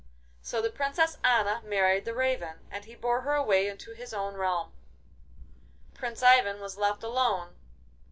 So the Princess Anna married the Raven, and he bore her away into his own realm. Prince Ivan was left alone.